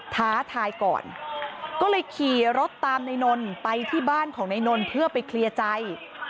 ท้าทายก่อนก็เลยขี่รถตามในนนไปที่บ้านของนายนนทเพื่อไปเคลียร์ใจ